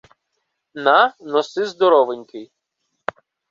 — На, носи здоровенький.